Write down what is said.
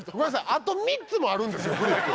あと３つもあるんですフリップ。